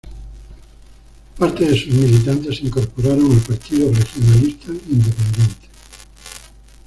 Parte de sus militantes se incorporaron al Partido Regionalista Independiente.